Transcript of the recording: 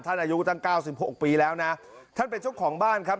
ท่านอายุตั้ง๙๖ปีแล้วนะท่านเป็นชกของบ้านครับ